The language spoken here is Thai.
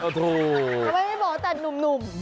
ทำไมไม่บอกแต่หนุ่ม